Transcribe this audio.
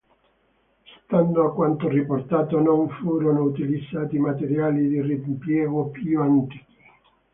Stando a quanto riportato non furono utilizzati materiali di reimpiego più antichi.